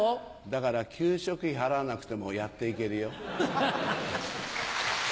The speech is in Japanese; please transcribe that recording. だから給食費払わなくてもやって行けるよ。